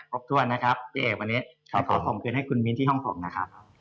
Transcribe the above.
ครบถ้วนนะครับพี่เอกวันนี้ขอขอบคุณคุณมิ้นที่ห้องผมนะครับ